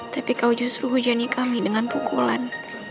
tapi kau justru hujani kami dengan pukulan